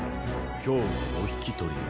今日はお引き取りを。